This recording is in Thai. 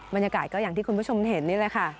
บรรยากาศก็อย่างที่คุณผู้ชมเห็นนี่แหละค่ะ